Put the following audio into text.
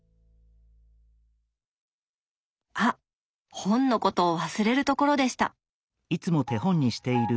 あっ本のことを忘れるところでした！